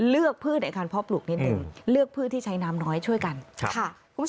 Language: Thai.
เลือกพื้นในการเพาะปลูกนิดนึงเลือกพื้นที่ใช้น้ำน้อยช่วยกันค่ะ